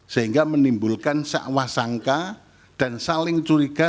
sehingga menimbulkan sakwah sangka dan saling curiga